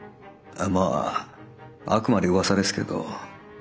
まああくまで噂ですけど鵤